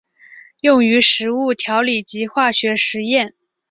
用于食物调理及化学实验。